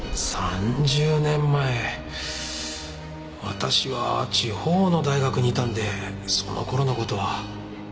３０年前私は地方の大学にいたんでその頃の事は。